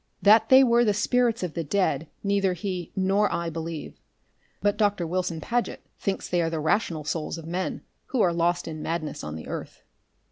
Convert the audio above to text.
That they were the spirits of the dead neither he nor I believe. But Doctor Wilson Paget thinks they are the rational souls of men who are lost in madness on the earth.